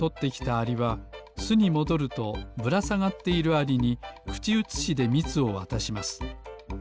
アリはすにもどるとぶらさがっているアリにくちうつしでみつをわたします。